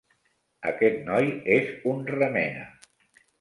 Aquest noi és un remena.